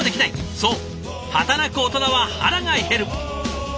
そう働くオトナは腹が減る。